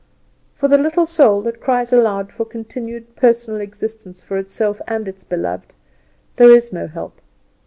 For the little soul that cries aloud for continued personal existence for itself and its beloved, there is no help.